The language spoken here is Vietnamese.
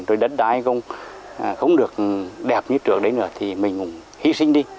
rồi đất đáy không được đẹp như trước đấy nữa thì mình cũng hy sinh đi